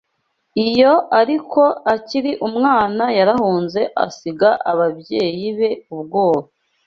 Iyo ariko akiri umwana Yarahunze Asiga ababyeyi be ubwoba